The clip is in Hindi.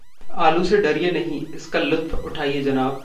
आलू से डरिए नहीं, इसका लुत्फ उठाइए जनाब...